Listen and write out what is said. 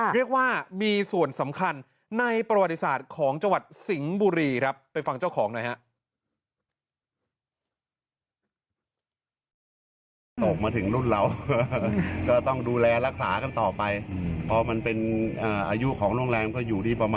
เรียกว่ามีส่วนสำคัญในประวัติศาสตร์ของจังหวัดสิงห์บุรีครับไปฟังเจ้าของหน่อยฮะ